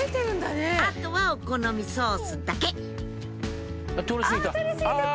あとはお好みソースだけ通り過ぎた。